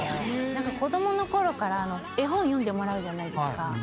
何か子供のころから絵本読んでもらうじゃないですか。